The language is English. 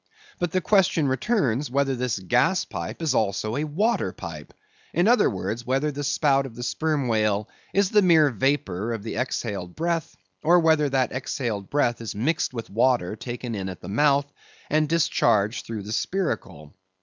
But the question returns whether this gas pipe is also a water pipe; in other words, whether the spout of the Sperm Whale is the mere vapor of the exhaled breath, or whether that exhaled breath is mixed with water taken in at the mouth, and discharged through the spiracle.